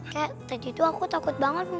kayak tadi tuh aku takut banget